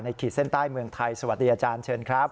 ขีดเส้นใต้เมืองไทยสวัสดีอาจารย์เชิญครับ